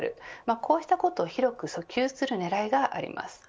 こうしたことを広く訴求するねらいがあります。